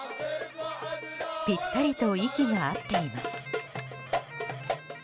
ぴったりと息が合っています。